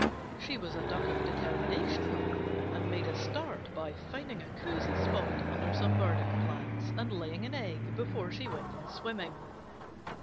She was a Duck of determination, and made a start by finding a cosy spot under some burdock plants and laying an egg before she went in swimming.